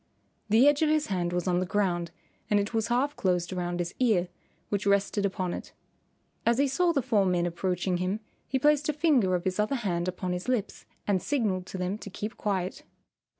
The edge of his hand was on the ground and it was half closed around his ear, which rested upon it. As he saw the four men approaching him he placed a finger of his other hand upon his lips and signalled to them to keep quiet.